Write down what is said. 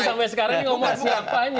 tadi sampai sekarang ngomong siapanya